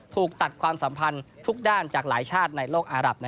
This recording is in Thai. ถูกตัดความสัมพันธ์ทุกด้านจากหลายชาติในโลกอารับ